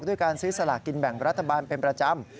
ด้วยการซื้อสลากินแบ่งรัฐบาลเป็นประจำ